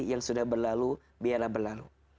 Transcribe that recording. yang sudah berlalu biarlah berlalu